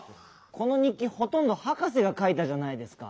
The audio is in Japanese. この日記ほとんどハカセがかいたじゃないですか。